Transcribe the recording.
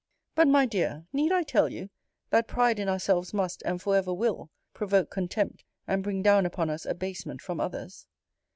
But my dear, need I tell you, that pride in ourselves must, and for ever will, provoke contempt, and bring down upon us abasement from others?